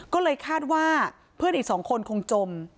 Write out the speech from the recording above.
ก็เลยคาดว่าเพื่อนอีก๒คนคงจม